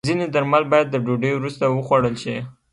ځینې درمل باید د ډوډۍ وروسته وخوړل شي.